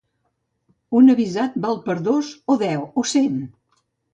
Un avisat val per dos o deu, o cent.